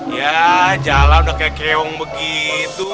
ya jalan udah kayak kereong begitu